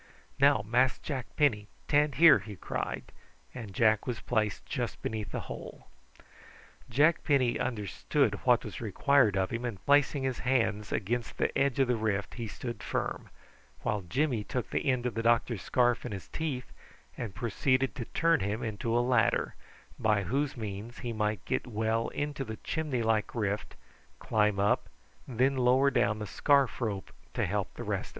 "Now, Mas' Jack Penny, tan' here," he cried; and Jack was placed just beneath the hole. Jack Penny understood what was required of him, and placing his hands against the edge of the rift he stood firm, while Jimmy took the end of the doctor's scarf in his teeth and proceeded to turn him into a ladder, by whose means he might get well into the chimney like rift, climb up, and then lower down the scarf rope to help the rest.